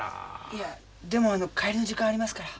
いやでもあの帰りの時間ありますから。